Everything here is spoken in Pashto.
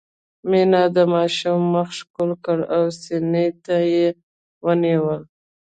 مينې د ماشوم مخ ښکل کړ او سينې ته يې ونيوه.